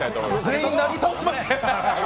全員、なぎ倒します！